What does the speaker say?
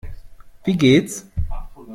Wie geht's?